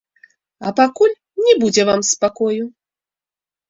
А пакуль не будзе вам спакою!